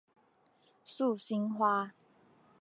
素兴花